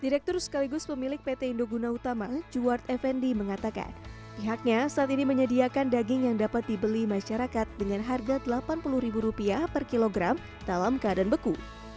direktur sekaligus pemilik pt indoguna utama juard effendi mengatakan pihaknya saat ini menyediakan daging yang dapat dibeli masyarakat dengan harga rp delapan puluh per kilogram dalam keadaan beku